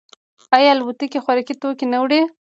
آیا الوتکې خوراکي توکي نه وړي؟